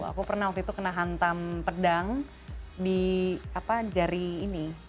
aku pernah waktu itu kena hantam pedang di jari ini